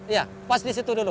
iya pas di situ dulu